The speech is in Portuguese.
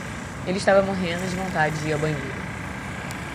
Ela estava morrendo de vontade de ir ao banheiro.